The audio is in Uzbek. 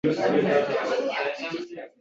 Ikki o’g’liga